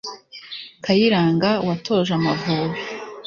Kayiranga watoje Amavubi